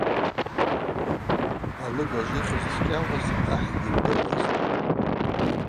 Алыгажв йыхьыз ш-Кӏьауаз ахӏ йгьйымдыруазтӏ.